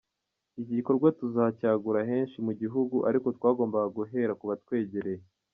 Iki gikorwa tuzacyagura henshi mu gihugu, ariko twagombaga guhera ku batwegereye.